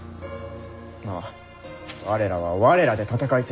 まあ我らは我らで戦い続けるのみ。